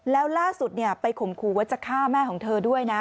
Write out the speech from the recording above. แล้วล่าสุดไปข่มขู่ว่าจะฆ่าแม่ของเธอด้วยนะ